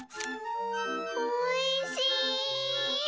おいしい！